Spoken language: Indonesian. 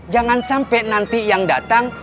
jangan sampai nanti yang datang